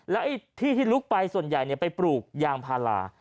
แล้วไอ้ที่ที่ลุกไปส่วนใหญ่ไปปลูกยางพารา